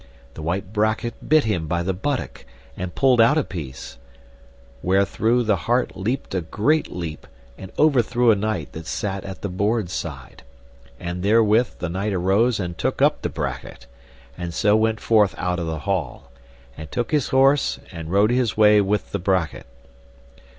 The white brachet bit him by the buttock and pulled out a piece, wherethrough the hart leapt a great leap and overthrew a knight that sat at the board side; and therewith the knight arose and took up the brachet, and so went forth out of the hall, and took his horse and rode his way with the brachet.